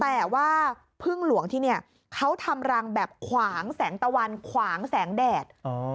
แต่ว่าพึ่งหลวงที่นี่เขาทำรังแบบขวางแสงตะวันขวางแสงแดด